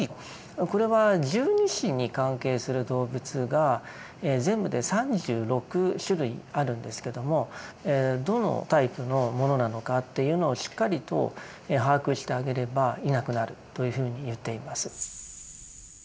これは十二支に関係する動物が全部で３６種類あるんですけどもどのタイプのものなのかというのをしっかりと把握してあげればいなくなるというふうに言っています。